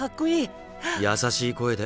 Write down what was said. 優しい声で。